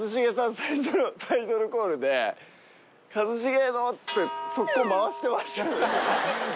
最初のタイトルコールで「一茂の」っつって即行回してましたよね。